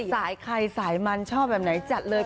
สายใครสายมันชอบแบบไหนจัดเลย